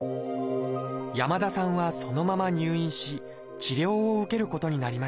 山田さんはそのまま入院し治療を受けることになりました。